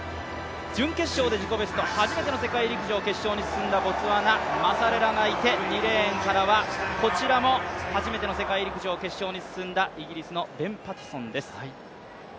準決勝で自己ベスト、初めての世界陸上決勝に進んだボツワナ、マサレラがいて、２レーンはこちらも初めての決勝に進んだイギリスのベン・パティソンです。